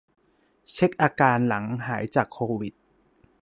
เช็กอาการหลังหายจากโควิด